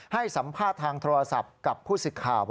ให้สัมภาษณ์ทางโทรศัพท์กับผู้สิทธิ์ข่าว